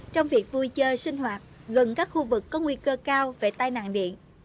trong việc vui chơi sinh hoạt gần các khu vực có nguy cơ cao về tai nạn điện